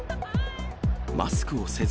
マスクをせず、